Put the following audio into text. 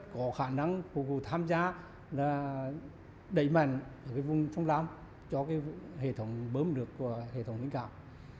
có khả năng phục vụ tham gia đẩy mạnh vùng sông lam cho hệ thống bớm nước và hệ thống lĩnh cảm